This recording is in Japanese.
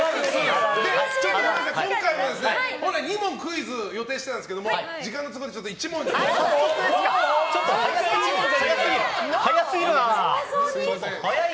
今回も２問クイズを予定してたんですが時間の都合で１問だけに。